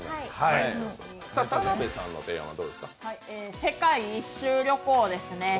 世界一周旅行ですね。